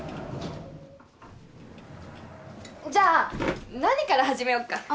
じゃあ何から始めよっか？